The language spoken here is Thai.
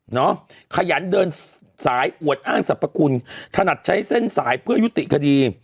ขยันเดินสายอวดอ้างสรรพคุณถนัดใช้เส้นสายเพื่อยุติคดี